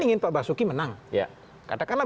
ingin pak basuki menang katakanlah